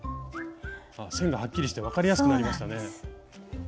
線がはっきりして分かりやすくなりましたね。